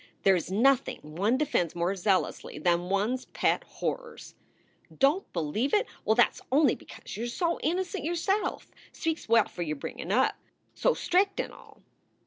There is nothing one defends more zealously than one s pet horrors. "Don t believe it? Well, that s only because you re so innocent, yourself speaks well for your bringing up so strict and all.